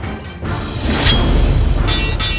aku akan mencari makanan yang lebih enak